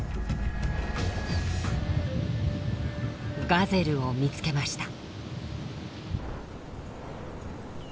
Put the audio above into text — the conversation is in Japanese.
ガゼルを見つけました。